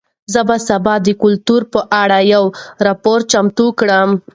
زه به سبا د کلتور په اړه یو راپور چمتو کړم.